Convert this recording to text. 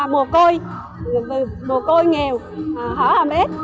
mồ côi mồ côi nghèo hở hầm ếch